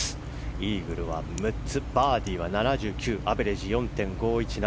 イーグルは６つバーディーは７９アベレージは４．５１７。